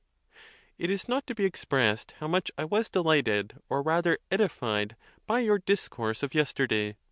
It is not to be expressed how much I was delighted, or rather edified, by your discourse of yesterday.